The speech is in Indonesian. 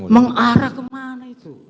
mengarah ke mana itu